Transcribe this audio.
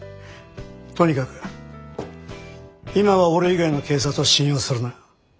とにかく今は俺以外の警察を信用するな。